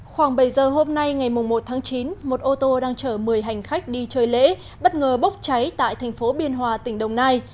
khoảng bảy giờ hôm nay ngày một tháng chín một ô tô đang chở một mươi hành khách đi chơi lễ bất ngờ bốc cháy tại thành phố biên hòa tỉnh đồng nai